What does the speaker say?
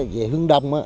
về hướng đông